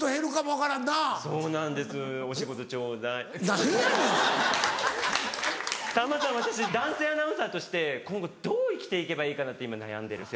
さんまさん私男性アナウンサーとして今後どう生きて行けばいいかなって今悩んでる。